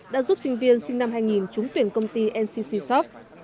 đã giúp sinh viên sinh năm hai nghìn trúng tuyển công ty nccsoft